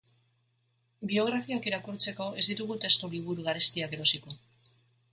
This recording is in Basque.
Biografiak irakurtzeko ez ditugu testuliburu garestiak erosiko.